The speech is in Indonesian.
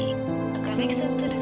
jawablah beberapa saat lagi